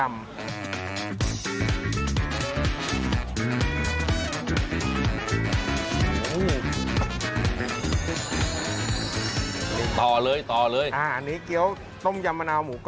อันนี้เกี๊ยวต้มยำมะนาว